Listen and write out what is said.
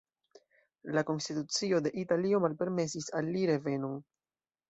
La konstitucio de Italio malpermesis al li revenon.